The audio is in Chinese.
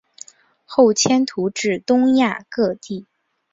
后迁徙至东亚各地。